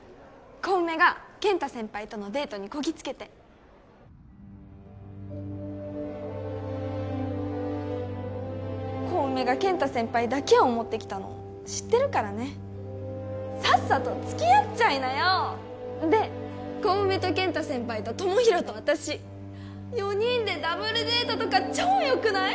小梅が健太先輩とのデートにこぎつけて小梅が健太先輩だけを思ってきたの知ってるからねさっさと付き合っちゃいなよで小梅と健太先輩と智弘と私４人でダブルデートとか超よくない？